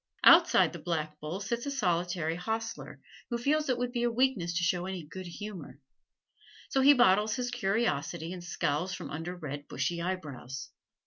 Outside the Black Bull sits a solitary hostler, who feels it would be a weakness to show any good humor. So he bottles his curiosity and scowls from under red, bushy eyebrows.